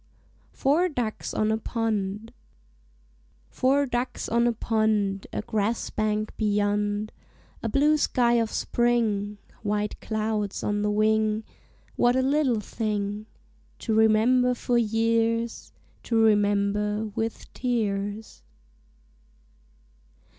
FOUR DUCKS ON A POND Four ducks on a pond, A grass bank beyond, A blue sky of spring, White clouds on the wing; What a little thing To remember for years To remember with tears!